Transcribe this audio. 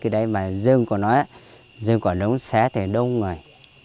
dân quản lũng xé thì đông rồi